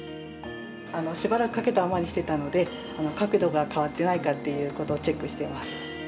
しばらく掛けたままにしてたので、角度が変わっていないかということをチェックしてます。